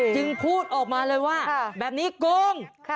จึงพูดออกมาเลยว่าแบบนี้โกง